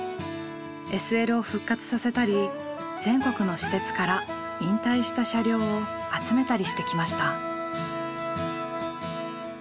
ＳＬを復活させたり全国の私鉄から引退した車両を集めたりしてきました。